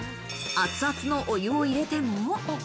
熱々のお湯を入れても。